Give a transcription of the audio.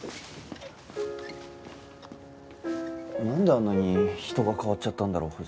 なんであんなに人が変わっちゃったんだろ？